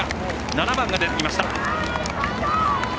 ７番が出てきました。